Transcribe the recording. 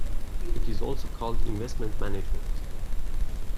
It is also called investment management.